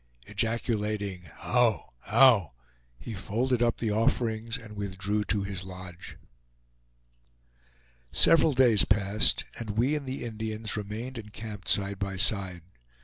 Ejaculating HOW! HOW! he folded up the offerings and withdrew to his lodge. Several days passed and we and the Indians remained encamped side by side.